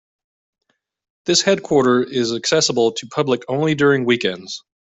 This headquarter is accessible to public only during weekends.